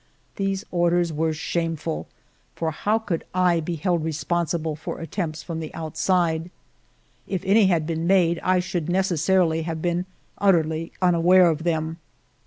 These orders were shameful ; for how could I be held responsible for attempts from the outside? If any had been made, I ALFRED DREYFUS 245 should necessarily have been utterly unaware of them.